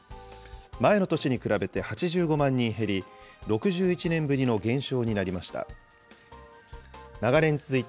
前の年に比べて８５万人減り、６１年ぶりの減少になりました。